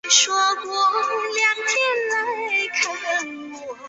贡麝香。